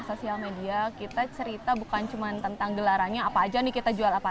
sosial media kita cerita bukan cuma tentang gelarannya apa aja nih kita jual apa